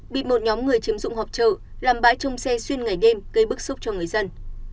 bị một nhóm người chiếm dụng họp trợ làm bãi trông xe xuyên ngày đêm gây bức xúc cho người dân